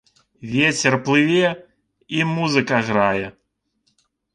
Вецер плыве, і музыка грае.